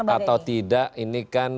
atau tidak ini kan